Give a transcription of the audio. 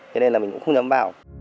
thế nên là mình cũng không dám vào